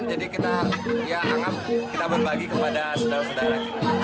jadi kita anggap kita berbagi kepada saudara saudara